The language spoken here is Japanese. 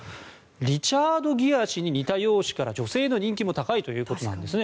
リチャード・ギア氏に似た容姿から女性の人気も高いということなんですね。